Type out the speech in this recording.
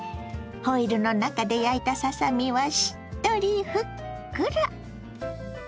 ホイルの中で焼いたささ身はしっとりふっくら。